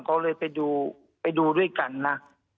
เขาเลยไปดูด้วยกันนะ